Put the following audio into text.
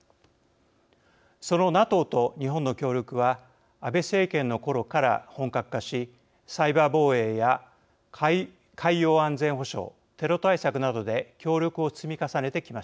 そのＮＡＴＯと日本の協力は安倍政権のころから本格化しサイバー防衛や海洋安全保障テロ対策などで協力を積み重ねてきました。